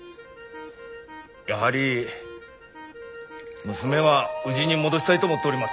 やはり娘はうぢに戻したいと思っております。